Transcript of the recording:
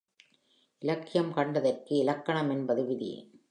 இலக்கியம் கண்டதற்கு இலக்கணம் என்பது விதி.